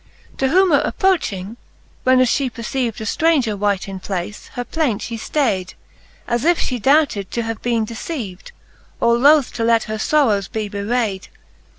To whom approching, when as fhe perceived A ftranger wight in place, her plaint {he ftayd, As if fhe doubted to have been deceived, Or loth to let her forrows be bewrayd.